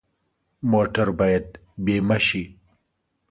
موټر باید بیمه شي.